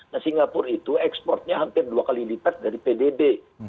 nah singapura itu ekspornya hampir dua kali lipat dari pdb